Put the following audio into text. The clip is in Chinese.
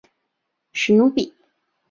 史努比。